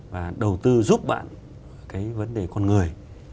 và đầu tư giúp bạn cái vấn đề con người